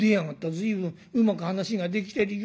随分うまく話ができてるよ。